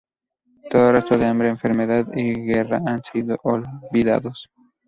Todo rastro de hambre, enfermedad y guerra han sido olvidados.